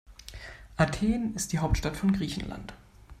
Athen ist die Hauptstadt von Griechenland.